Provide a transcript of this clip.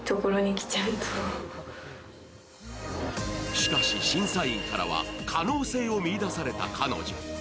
しかし審査員からは可能性を見いだされた彼女。